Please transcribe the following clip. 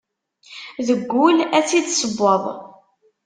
Deg ul ad tt-id ssewweḍ.